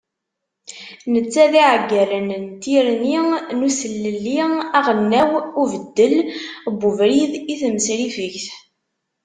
Netta d iɛeggalen n ti rni n uselelli aɣelnaws ubeddel n ubrid i temsrifegt.